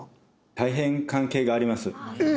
大変関係がありますえっ？